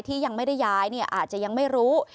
ที่ยังไม่ได้ย้ายอาจจะยังไม่รู้